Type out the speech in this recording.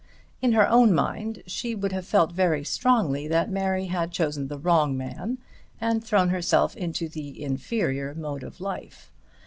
In her own mind she would have felt very strongly that Mary had chosen the wrong man, and thrown herself into the inferior mode of life.